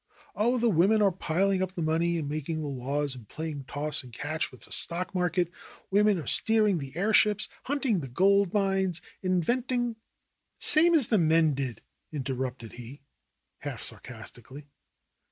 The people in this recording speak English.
"Oh, the women are piling up the money, and making the laws, and playing toss and catch with the stock mar ket. Women are steering the airships, hunting the gold mines, inventing " "Same as the men did !" interrupted he, half sarcasti cally.